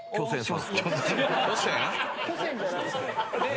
巨泉じゃないです。